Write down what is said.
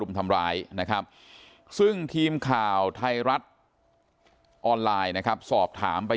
ทำร้ายนะครับซึ่งทีมข่าวไทยรัฐออนไลน์นะครับสอบถามไป